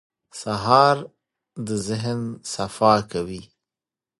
سهار د ذهن صفا کوي.